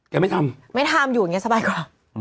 ไม่ทำไม่ทำอยู่อย่างนี้สบายกว่า